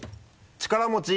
力持ち！